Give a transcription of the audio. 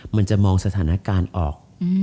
มันจะมองสถานการณ์ออก